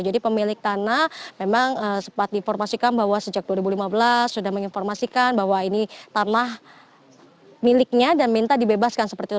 jadi pemilik tanah memang sempat diinformasikan bahwa sejak dua ribu lima belas sudah menginformasikan bahwa ini tanah miliknya dan minta dibebaskan seperti itu